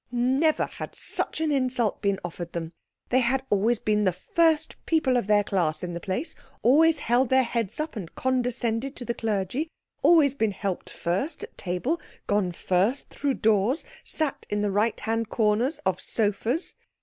Never had such an insult been offered them. They had always been the first people of their class in the place, always held their heads up and condescended to the clergy, always been helped first at table, gone first through doors, sat in the right hand corners of sofas.